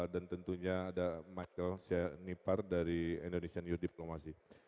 dan tentunya ada michael nipar dari indonesian youth diplomacy